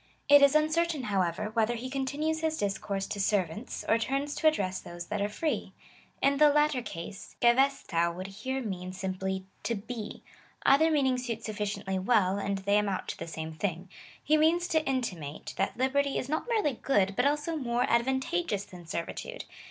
"' It is uncertain, however, whether he continues his discourse to sen^ants, or turns to address those that are free. In the latter case, jeveaOac would here mean simply to be. Either meaning suits sufficiently well, and they amount to the same thing. He means to intimate, that liberty is not merely good, but also more advantageous than servitude.